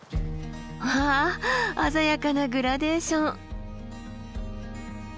わあ鮮やかなグラデーション。